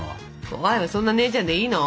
怖いわそんな姉ちゃんでいいの？